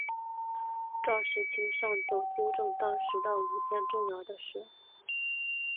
赵世卿上奏纠正当时的五件重要的事。